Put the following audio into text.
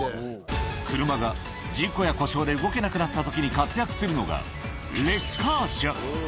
車が事故や故障で動けなくなったときに活躍するのが、レッカー車。